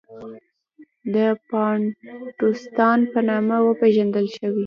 د بانټوستان په نامه وپېژندل شوې.